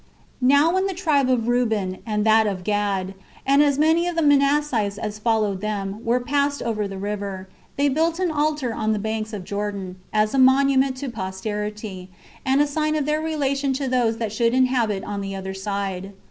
26. Now when the tribe of Reuben, and that of Gad, and as many of the Manassites as followed them, were passed over the river, they built an altar on the banks of Jordan, as a monument to posterity, and a sign of their relation to those that should inhabit on the other side.